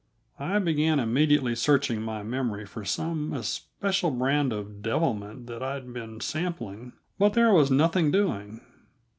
I began immediately searching my memory for some especial brand of devilment that I'd been sampling, but there was nothing doing.